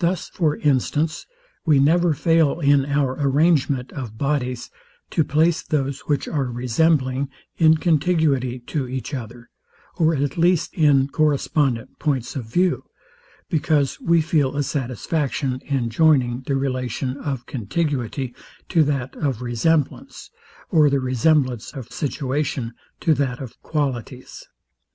Thus for instance, we never fail, in our arrangement of bodies, to place those which are resembling in contiguity to each other, or at least in correspondent points of view; because we feel a satisfaction in joining the relation of contiguity to that of resemblance, or the resemblance of situation to that of qualities.